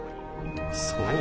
そう？